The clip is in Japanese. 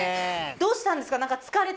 どうしたんですか？